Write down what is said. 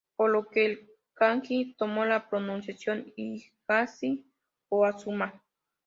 Por lo que el kanji 東, tomó la pronunciación "higashi" o "azuma".